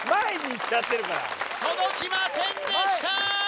届きませんでした！